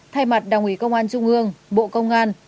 thay mặt đảng ủy công an trung ương bộ công an